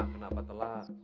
sekarang aku ajar